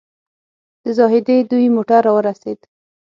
د زاهدي دوی موټر راورسېد.